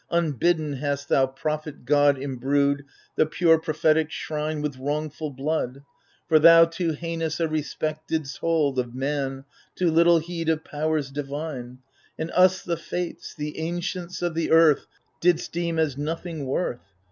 Unbidden, hast thou, prophet god, imbrued The pure prophetic shrine with wrongful blood ! For thou too heinous a respect didst hold Of man, too little heed of powers divine ! And us the Fates, the ancients of the earth. Didst deem as nothing worth.